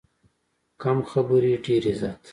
کم خبرې، ډېر عزت.